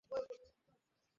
আমাকে এই বয়সে বকছেন?